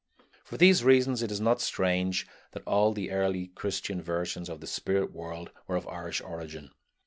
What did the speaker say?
For these reasons it is not strange that all the earliest Christian visions of the spirit world were of Irish origin.